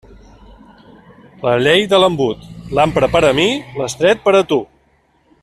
La llei de l'embut: l'ample per a mi, l'estret per a tu.